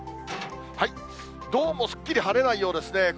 どうもすっきり晴れないようですね。